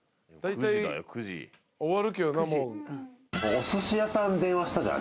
おすし屋さん電話したじゃん。